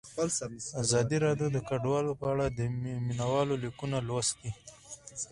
ازادي راډیو د کډوال په اړه د مینه والو لیکونه لوستي.